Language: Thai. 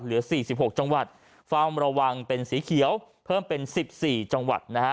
เหลือสี่สิบหกจังหวัดฟ่ามระวังเป็นสีเขียวเพิ่มเป็นสิบสี่จังหวัดนะฮะ